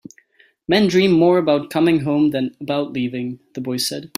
"Men dream more about coming home than about leaving," the boy said.